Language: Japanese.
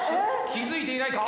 気付いていないか？